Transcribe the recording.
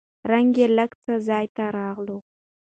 رنګ يې لېږ څه ځاى ته راغلو.